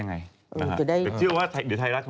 ผิดว่าห้ามใช้ลิฟท์